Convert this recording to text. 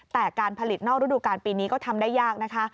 แต่การผลิตนอกฤดูการปีนี้ก็ทำได้ยากนะคะ